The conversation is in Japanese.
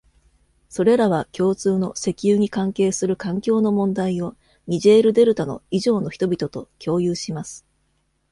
それらは共通の石油に関係する環境の問題をニジェールデルタのイジョーの人々と共有します。